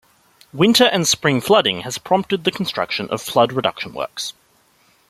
Winter and spring flooding has prompted the construction of flood reduction works.